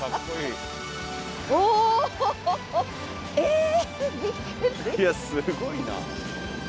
いやすごいな。